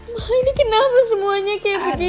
ma ini kenapa semua kaya begini